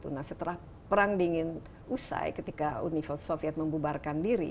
nah setelah perang dingin usai ketika univer soviet membubarkan diri